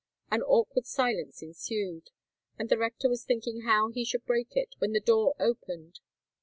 An awkward silence ensued; and the rector was thinking how he should break it, when the door opened.